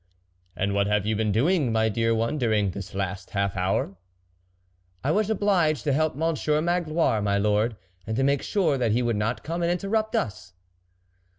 " And what have you been doing, my dear one, during this last half hour ?"" I was obliged to help Monsieur Mag loire, my lord, and to make sure that he would not come and interrupt us."